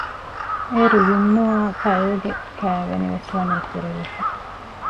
އޭރު ޔުމްނުއާއި ކައިލްގެ ކާވެނިވެސް ވަނީ ކުރެވިފަ